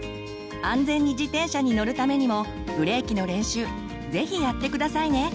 安全に自転車に乗るためにもブレーキの練習是非やって下さいね。